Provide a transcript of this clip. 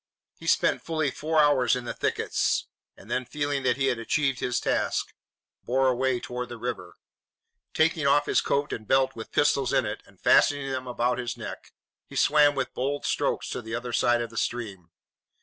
He spent fully four hours in the thickets, and then, feeling that he had achieved his task, bore away toward the river. Taking off his coat and belt with pistols in it, and fastening them about his neck, he swam with bold strokes to the other side of the stream.